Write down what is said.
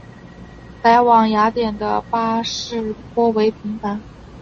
来往雅典的巴士颇为频繁。